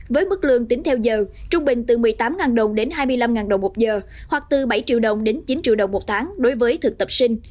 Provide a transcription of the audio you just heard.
với mức lương tính theo giờ trung bình từ một mươi tám đồng đến hai mươi năm đồng một giờ hoặc từ bảy triệu đồng đến chín triệu đồng một tháng đối với thực tập sinh